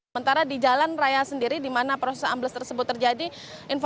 sementara di jalan raya sendiri di mana proses ambles tersebut terjadi